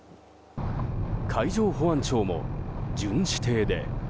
海上保安庁も巡視艇で。